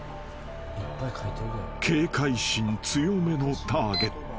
［警戒心強めのターゲット。